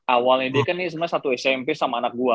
awalnya dia kan ini sebenarnya satu smp sama anak buah